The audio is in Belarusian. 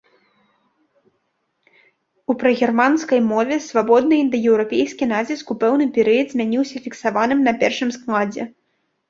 У прагерманскай мове свабодны індаеўрапейскі націск у пэўны перыяд змяніўся фіксаваным на першым складзе.